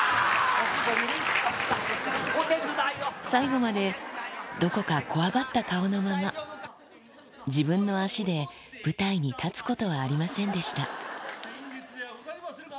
最後まで、どこかこわばった顔のまま、自分の足で舞台に立つことはありませんでした。